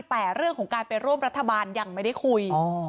แต่เรื่องของการไปร่วมรัฐบาลยังไม่ได้คุย